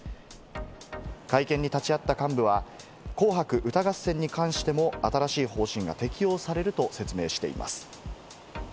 会見に立ち会った幹部は『紅白歌合戦』に関しても、新しい方針が適用されると説明しています。